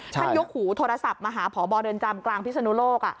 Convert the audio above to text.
ท่านยุคหู้โทรศัพท์มหาผ่อบเรือนจำกลางพิสุนโลก